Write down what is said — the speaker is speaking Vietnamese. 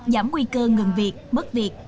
giảm nguy cơ ngừng việc mất việc